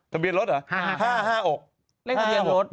ทะเบียนรถเหรอ๕๕๖